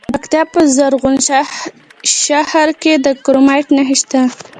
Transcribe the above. د پکتیکا په زرغون شهر کې د کرومایټ نښې شته.